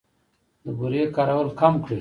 د بورې کارول کم کړئ.